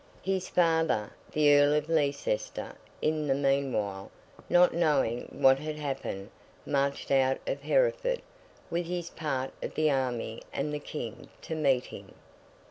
His father, the Earl of Leicester, in the meanwhile, not knowing what had happened, marched out of Hereford, with his part of the army and the King, to meet him.